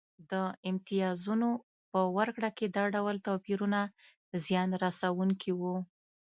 د امتیازونو په ورکړه کې دا ډول توپیرونه زیان رسونکي وو